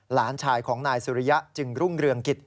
หลานชายของนายสุริยะจึงรุ่งเรืองกิจ